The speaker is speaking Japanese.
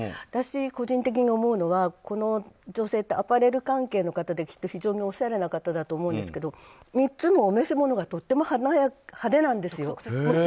個人的に思うのはこの女性はアパレル関係の方で非常におしゃれな方だと思うんですけどいつもお召し物がとても派手なんですよ。